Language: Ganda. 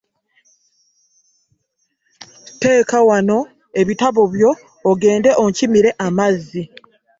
Teeka wano ebitabo byo ogende onkimire amazzi.